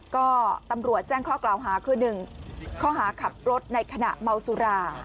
ก็ตำรวจแจ้งข้อกล่าวหาคือ๑ข้อหาขับรถในขณะเมาสุรา